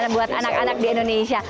buat anak anak di indonesia